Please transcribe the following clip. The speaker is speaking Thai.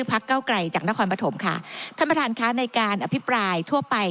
เก้าไกลจากนครปฐมค่ะท่านประธานค่ะในการอภิปรายทั่วไป